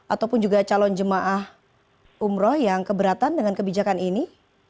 ataupun juga calon jemaah umroh yang keberatan dengan kebijakan ini